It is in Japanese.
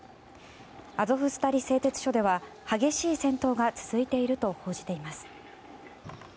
アゾフスタリ製鉄所では激しい戦闘が続いていると報じています。